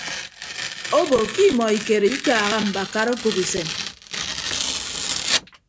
Obo ke imọ ikere ikaaha mbakara akop usem.